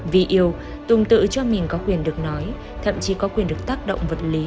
vì yêu tùng tự cho mình có quyền được nói thậm chí có quyền được tác động vật lý